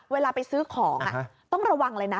เวลาไปซื้อของต้องระวังเลยนะ